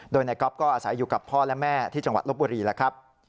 โดยนายก๊อฟก็อาศัยอยู่กับพ่อและแม่ที่จังหวัดลบบุรีแล้วครับ